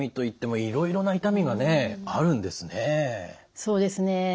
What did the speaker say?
そうですね。